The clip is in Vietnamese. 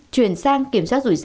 chuyển sang kiểm soát dịch bệnh